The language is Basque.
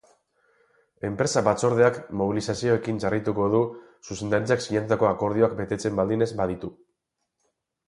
Enpresa batzordeak mobilizazioekin jarraituko du zuzendaritzak sinatutako akordioak betetzen baldin ez baditu.